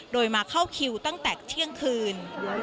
โดยมาเข้าคิวตั้งแต่เที่ยงคืน